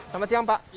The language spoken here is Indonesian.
selamat siang pak